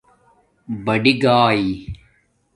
بڑئ گاݺ